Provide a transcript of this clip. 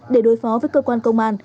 để đối phó với cơ quan công an